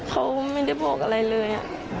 เขาไม่ได้บอกอะไรเลย